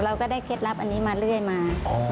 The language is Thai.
ก็ได้เคล็ดลับอันนี้มาเรื่อยมา